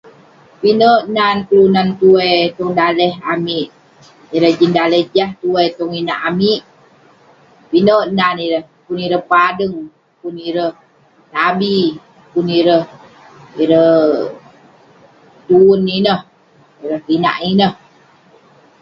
Pinek nan kelunan tuai tong daleh amik. Ireh jin daleh jah tuai tong inak amik. Pinek nan ireh. Pun ireh padeng, pun ireh tabi, pun ireh- ireh tuen ineh, ireh kinak ineh.